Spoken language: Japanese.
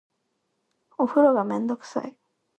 お風呂がめんどくさい